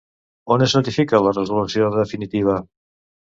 On es notifica la resolució definitiva?